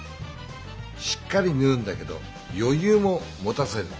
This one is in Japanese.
しっかりぬうんだけどよゆうも持たせる。